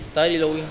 tới đi lui